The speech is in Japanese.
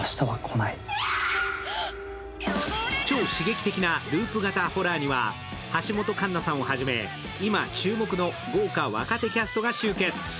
超刺激的なループ型ホラーには橋本環奈さんをはじめ今注目の豪華若手キャストが集結。